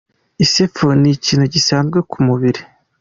Isepfu ni ikintu gisanzwe ku mubiri.